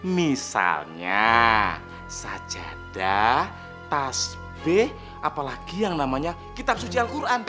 misalnya sajadah tasbe apalagi yang namanya kitab suci al quran